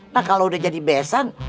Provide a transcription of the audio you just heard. nah kalau udah jadi besan